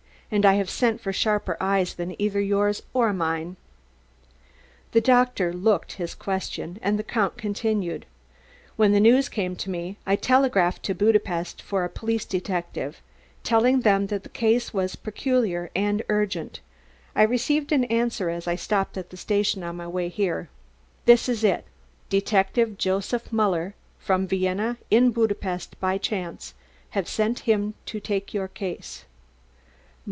"And I have sent for sharper eyes than either yours or mine." The doctor looked his question, and the Count continued: "When the news came to me I telegraphed to Pest for a police detective, telling them that the case was peculiar and urgent. I received an answer as I stopped at the station on my way here. This is it: 'Detective Joseph Muller from Vienna in Budapest by chance. Have sent him to take your case.